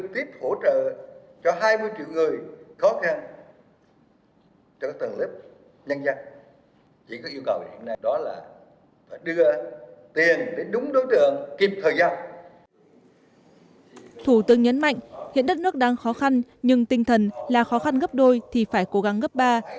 thủ tướng nhấn mạnh hiện đất nước đang khó khăn nhưng tinh thần là khó khăn gấp đôi thì phải cố gắng gấp ba